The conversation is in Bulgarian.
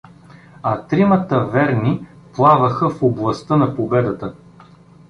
А тримата „верни“ плаваха в областта на победата.